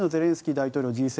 大統領Ｇ７